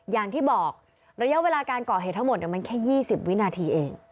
อย่างที่บอกระยะเวลาการก่อเหตุทั้งหมดมันแค่๒๐วินาทีเอง